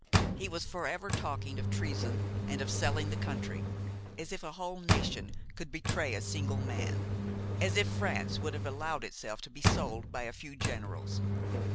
He was forever talking of treason and of selling the country, as if a whole nation could betray a single man, as if France would have allowed herself to be sold by a few generals!